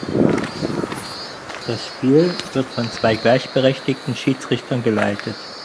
Das Spiel wird von zwei gleichberechtigten Schiedsrichtern geleitet.